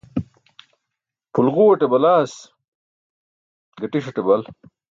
Pʰulġuuẏate balaas, gatiṣate bal.